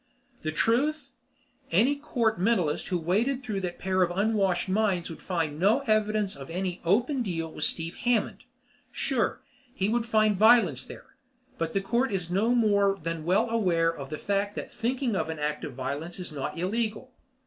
The truth? Any court mentalist who waded through that pair of unwashed minds would find no evidence of any open deal with Steve Hammond. Sure, he would find violence there, but the Court is more than well aware of the fact that thinking of an act of violence is not illegal.